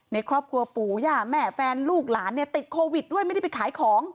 ในครอบครัวปู่ย่าแม่แฟนลูกหลานเนี่ยติดโควิดด้วยไม่ได้ไปขายของ